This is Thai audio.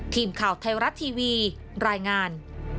ทีมข่าวไทยรัฐทีวีรายงาน